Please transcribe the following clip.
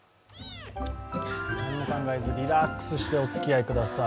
何も考えず、リラックスしておつきあいください。